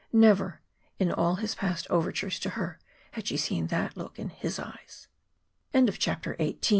Never, in all his past overtures to her, had she seen that look in his eyes. CHAPTER XIX To Harriet K